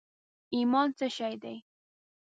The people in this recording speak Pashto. ایمان څه شي دي؟